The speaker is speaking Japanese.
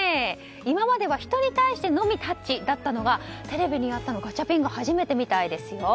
今までは人に対してのみタッチだったのがテレビにやったのはガチャピンが初めてみたいですよ。